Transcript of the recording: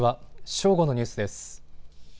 正午のニュースです。